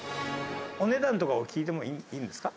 お値段とかを聞いてもいいんですか？